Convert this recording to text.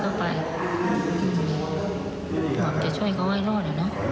ก็ไปหวังจะช่วยเขาให้รอด